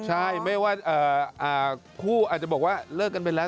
ใช่ไม่ว่าคู่อาจจะบอกว่าเลิกกันไปแล้ว